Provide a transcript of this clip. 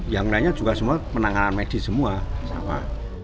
yang lainnya juga semua penanganan medis semua sama